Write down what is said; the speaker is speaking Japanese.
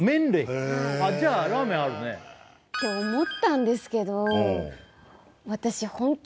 じゃあラーメンあるねって思ったんですけど